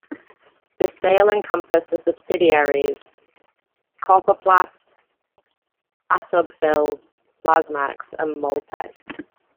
This sale encompassed the subsidiaries Corpoplast, Asbofill, Plasmax and Moldtec.